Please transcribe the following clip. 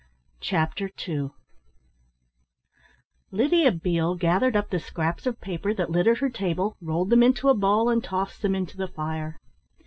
Chapter II Lydia Beale gathered up the scraps of paper that littered her table, rolled them into a ball and tossed them into the fire.